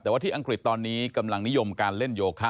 แต่ว่าที่อังกฤษตอนนี้กำลังนิยมการเล่นโยคะ